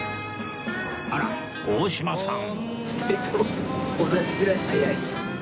あら？大島さん？